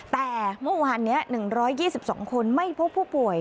แต่เมื่อวานนี้๑๒๒คนไม่พบผู้ป่วย